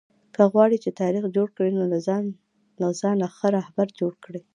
که غواړى، چي تاریخ جوړ کى؛ نو له ځانه ښه راهبر جوړ کئ!